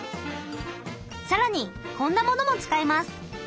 更にこんなものも使います。